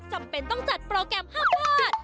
จำเป็นต้องจัดโปรแกรม๕พอร์ต